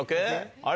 あれ？